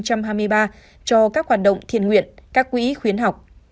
cho các hoạt động thiền nguyện các quỹ khuyến học